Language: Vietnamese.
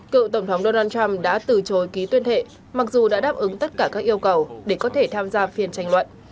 cựu tổng thống donald trump đã từ chối ký tuyên thệ mặc dù đã đáp ứng tất cả các yêu cầu để có thể tham gia phiên tranh luận